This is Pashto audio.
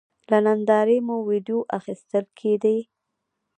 له نندارې مو وېډیو اخیستل کېدې.